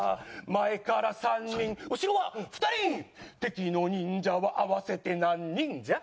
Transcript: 「前から３人後ろは２人」「敵の忍者は合わせて何人じゃ？」